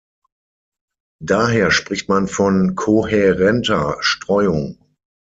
Daher spricht man von kohärenter Streuung.